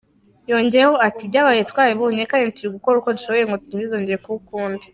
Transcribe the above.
Yongeyeho ati “Ibyabaye twarabibonye kandi turi gukora uko dushoboye ngo ntibizongere kuba ukundi.